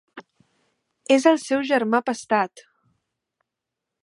És el seu germà pastat!